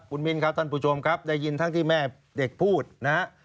คุณมิ้นครับท่านผู้ชมครับได้ยินทั้งที่แม่เด็กพูดนะฮะ